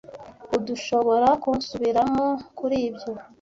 Urdushoborakunsubiramo kuri ibyo.